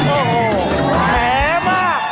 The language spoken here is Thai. โอ้โฮแหมเปล่า